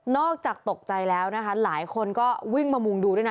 อกจากตกใจแล้วนะคะหลายคนก็วิ่งมามุงดูด้วยนะ